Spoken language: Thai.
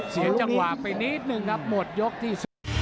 เสียจังหวะไปนิดนึงครับหมดยกที่๑๐